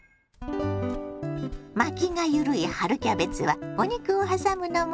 巻きが緩い春キャベツはお肉をはさむのも簡単。